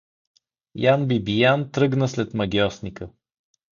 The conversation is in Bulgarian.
Ян Бибиян тръгна след магьосника.